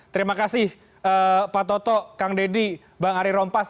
terima kasih pak toto kang deddy bang ari rompas